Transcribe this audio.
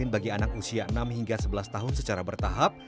bagi anak usia enam hingga sebelas tahun secara bertahap